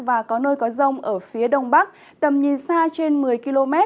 và có nơi có rông ở phía đông bắc tầm nhìn xa trên một mươi km